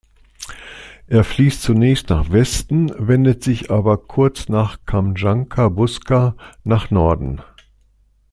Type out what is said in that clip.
Er fließt zunächst nach Westen, wendet sich aber kurz nach Kamjanka-Buska nach Norden.